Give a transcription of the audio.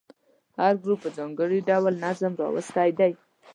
هر ګروپ په ځانګړي ډول نظم راوستی دی.